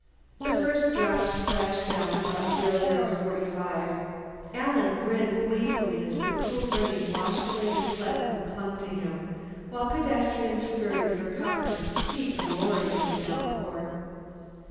The first drops splashed down at 0045. Alan grinned gleefully as the cool rain washed away the sweat that clung to him; while pedestrians scurried for cover, he gloried in the downpour.